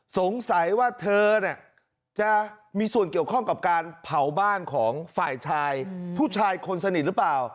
สงสัยว่าเธอเนี่ยจะมีส่วนเกี่ยวข้องกับการเผาบ้านของฝ่ายชายผู้ชายคนสนิทหรือเปล่า